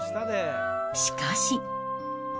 しかし。